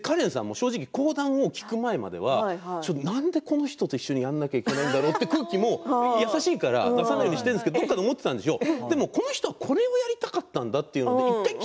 正直講談を聴く前まではなんでこの人とやらなきゃいけないんだろうという空気も優しいから出さないようにしてるんですけどどこかで思っていたんでしょう。